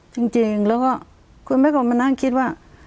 จริงแล้วก็คุณแม่ก็มานั่งคิดว่า